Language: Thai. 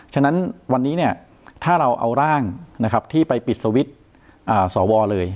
ฉะนั้นวันนี้ถ้าเราเอาร่างที่ไปปิดสวิตช์ส่อวเลย